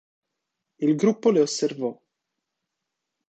Il gruppo le osservò.